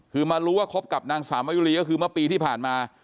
คือมารู้ว่าคบกับนางสาวมะยุรีก็คือเมื่อปีที่ผ่านมา